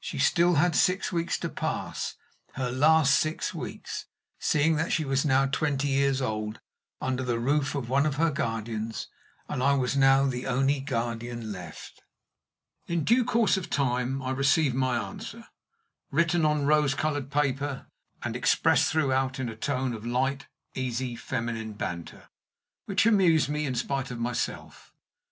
She had still six weeks to pass her last six weeks, seeing that she was now twenty years old under the roof of one of her guardians, and I was now the only guardian left. In due course of time I received my answer, written on rose colored paper, and expressed throughout in a tone of light, easy, feminine banter, which amused me in spite of myself.